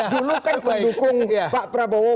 dulu kan pendukung pak prabowo